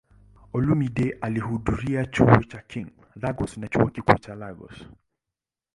Olumide alihudhuria Chuo cha King, Lagos na Chuo Kikuu cha Lagos.